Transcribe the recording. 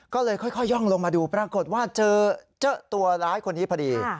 ก็เลยค่อยย่องลงมาดูปรากฏว่าเจอตัวร้ายคนนี้พอดี